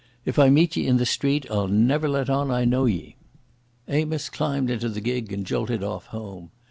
If I meet ye in the street I'll never let on I know ye." Amos climbed into the gig and jolted off home.